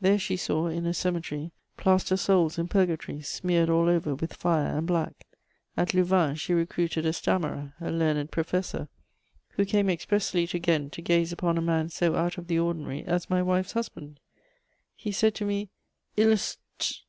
There she saw, in a cemetery, plaster souls in purgatory, smeared all over with fire and black. At Louvain, she recruited a stammerer, a learned professor, who came expressly to Ghent to gaze upon a man so out of the ordinary as my wife's husband. He said to me, "Illus... ttt...